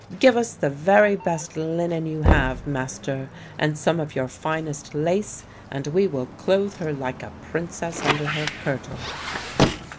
"Give us the very best linen you have, master, and some of your finest lace and we will clothe her like a princess under her kirtle."